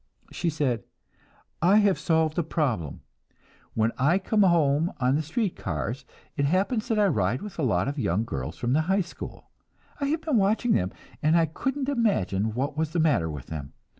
She said: "I have solved a problem. When I come home on the street cars, it happens that I ride with a lot of young girls from the high school. I have been watching them, and I couldn't imagine what was the matter with them.